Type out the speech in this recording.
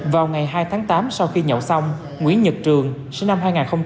vào ngày hai tháng tám sau khi nhậu xong nguyễn nhật trường sinh năm hai nghìn hai